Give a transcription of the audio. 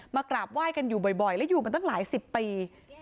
กราบไหว้กันอยู่บ่อยและอยู่มาตั้งหลายสิบปี